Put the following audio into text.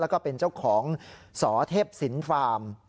แล้วก็เป็นเจ้าของสอเทพศิลป์ฟาร์ม